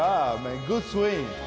グッドスイング。